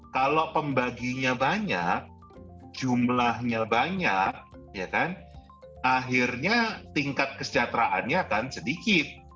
kalau pembaginya banyak jumlahnya banyak akhirnya tingkat kesejahteraannya akan sedikit